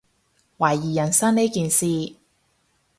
懷疑人生呢件事